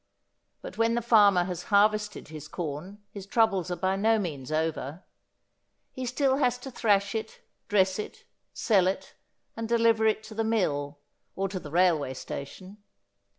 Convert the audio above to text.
But when the farmer has harvested his corn his troubles are by no means over. He has still to thrash it, dress it, sell it, and deliver it to the mill or to the railway station.